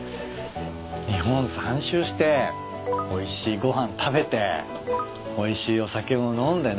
日本３周しておいしいご飯食べておいしいお酒を飲んでね